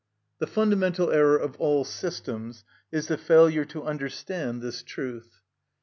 The fundamental error of all systems is the failure to understand this truth.